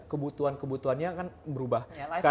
kebutuhan kebutuhannya kan berubah